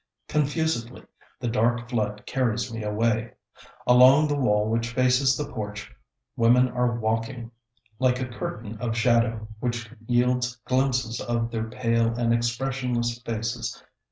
Confusedly, the dark flood carries me away. Along the wall which faces the porch, women are waiting, like a curtain of shadow, which yields glimpses of their pale and expressionless faces.